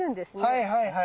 はいはいはい。